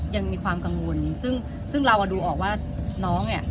ยังมีความกังวลซึ่งเราดูออกว่าน้องเนี่ย